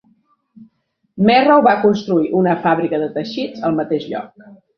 Merrow va construir una fàbrica de teixits al mateix lloc.